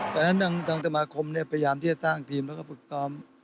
ตอนนั้นทางสมาคมพยายามที่จะสร้างทีมแล้วก็ฝึกซ้อม